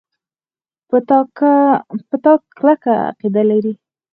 په تا کلکه عقیده لري.